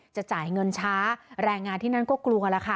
จะจ่ายเงินช้าแรงงานที่นั่นก็กลัวแล้วค่ะ